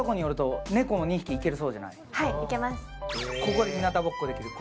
ここでひなたぼっこできる。